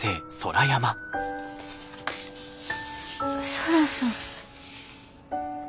空さん。